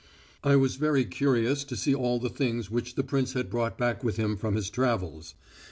I was very curious to see all the things which the prince had brought back with him from his travels.